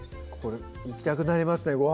ここでいきたくなりますね